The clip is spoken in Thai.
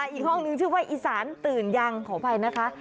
อีกห้องนึงชื่อว่าอีสานตื่นยังขออภัยนะคะ